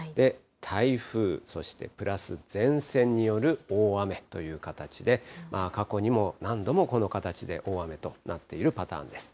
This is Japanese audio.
台風、そしてプラス前線による大雨という形で、過去にも何度もこの形で大雨となっているパターンです。